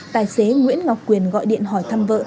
tài xế nguyễn ngọc quyền gọi điện hỏi thăm vợ